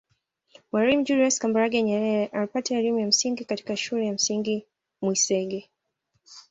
Mwalimu Julius Kambarage Nyerere alipata elimu ya msingi katika Shule ya Msingi Mwisenge